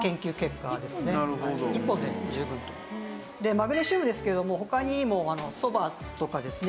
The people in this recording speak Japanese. マグネシウムですけれども他にもそばとかですね